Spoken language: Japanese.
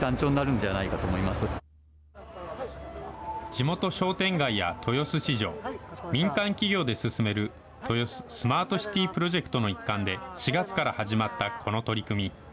地元商店街や豊洲市場、民間企業で進める豊洲スマートシティプロジェクトの一環で、４月から始まったこの取り組み。